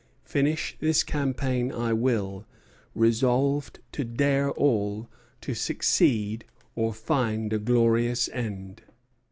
Finish this campaign I will, resolved to dare all, to succeed, or find a glorious end."